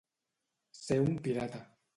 Ser un pirata.